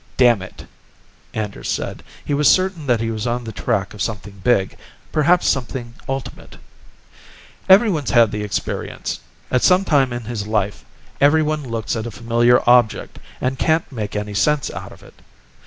"Damn it," Anders said. He was certain that he was on the track of something big, perhaps something ultimate. "Everyone's had the experience. At some time in his life, everyone looks at a familiar object and can't make any sense out of it.